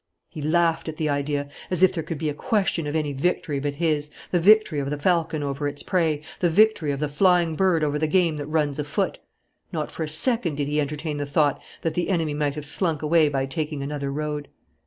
He laughed at the idea. As if there could be a question of any victory but his, the victory of the falcon over its prey, the victory of the flying bird over the game that runs afoot! Not for a second did he entertain the thought that the enemy might have slunk away by taking another road.